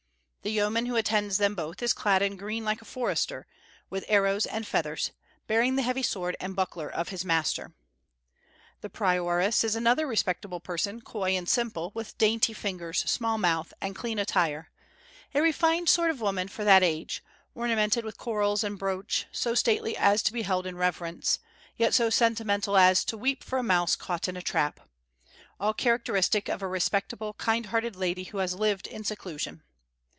The yeoman who attends them both is clad in green like a forester, with arrows and feathers, bearing the heavy sword and buckler of his master. The prioress is another respectable person, coy and simple, with dainty fingers, small mouth, and clean attire, a refined sort of a woman for that age, ornamented with corals and brooch, so stately as to be held in reverence, yet so sentimental as to weep for a mouse caught in a trap: all characteristic of a respectable, kind hearted lady who has lived in seclusion.